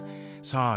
さあ